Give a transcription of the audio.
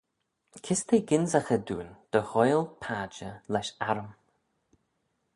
Kys t'eh gynsaghey dooin dy ghoaill padjer lesh arrym?